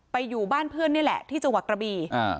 อยู่บ้านเพื่อนนี่แหละที่จังหวัดกระบี